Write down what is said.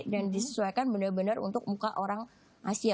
dan disesuaikan benar benar untuk muka orang asia